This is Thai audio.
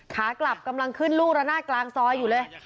ขากลับกำลังขึ้นลูกระนาดกลางซอยอยู่เลย